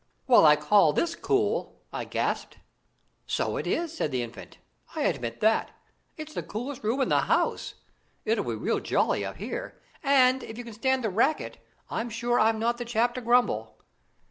"Well, I call this cool!" I gasped. "So it is," said the Infant; "I admit that. It's the coolest room in the house. It'll be real jolly up here; and if you can stand the racket I'm sure I'm not the chap to grumble."